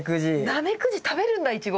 ナメクジ食べるんだイチゴ。